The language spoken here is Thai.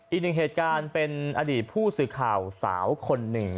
อีกหนึ่งเหตุการณ์เป็นอดีตผู้สื่อข่าวสาวคนหนึ่ง